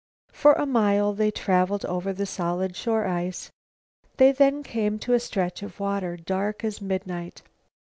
For a mile they traveled over the solid shore ice. They then came to a stretch of water, dark as midnight.